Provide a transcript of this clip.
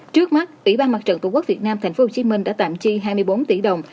trước mắt ủy ban mặt trận tổ quốc việt nam tp hcm đã tạm chi hai mươi bốn tỷ đồng